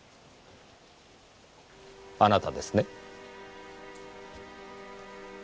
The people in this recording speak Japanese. あなたですね？